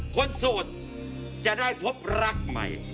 คนสูตรจะได้พบรักใหม่